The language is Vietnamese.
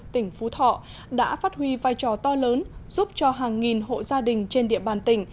tỉnh phú thọ đã phát huy vai trò to lớn giúp cho hàng nghìn hộ gia đình trên địa bàn tỉnh